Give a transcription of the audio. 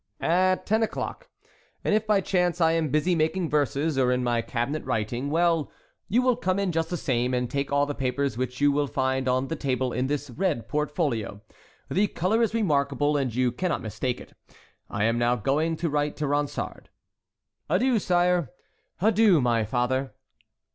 "At ten o'clock; and if by chance I am busy making verses, or in my cabinet writing, well—you will come in just the same, and take all the papers which you will find on the table in this red portfolio. The color is remarkable, and you cannot mistake it. I am now going to write to Ronsard." "Adieu, sire!" "Adieu, my father!"